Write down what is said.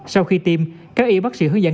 sau khi tiêm các y bác sĩ hướng dẫn